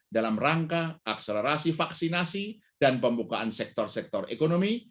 dalam rangka akselerasi vaksinasi dan pembukaan sektor sektor ekonomi